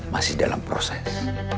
masih dalam proses